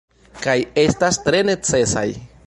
Kaj estas tre necesaj.